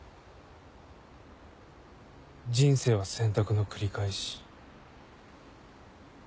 人生は選択の繰り返し。